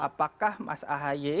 apakah mas ahy